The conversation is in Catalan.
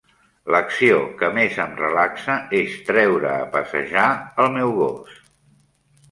L'acció que més em relaxa és treure a passejar el meu gos.